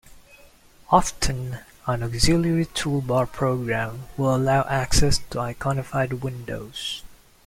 Often, an auxiliary toolbar program will allow access to iconified windows.